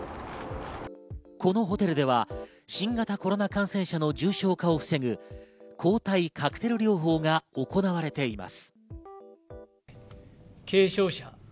このホテルでは新型コロナ感染者の重症化を防ぐ、抗体カクテル療法が行われています。